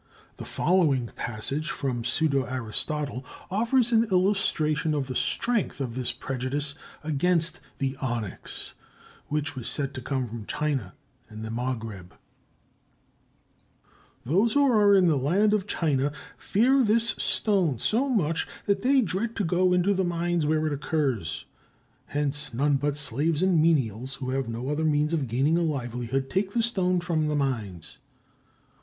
The following passage from pseudo Aristotle offers an illustration of the strength of this prejudice against the onyx, which was said to come from China and the Magreb: Those who are in the land of China fear this stone so much that they dread to go into the mines where it occurs; hence none but slaves and menials, who have no other means of gaining a livelihood, take the stone from the mines.